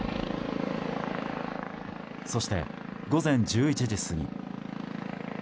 そして午前１１時過ぎ。